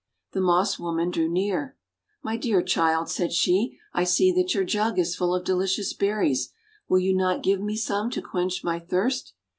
The Moss Woman drew near. "My dear child/3 said she, :<I see that your jug is full of delicious berries. Will you not give me some to quench my thirst?'